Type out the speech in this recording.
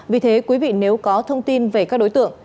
vì thế quý vị nếu có thông tin về các đối tượng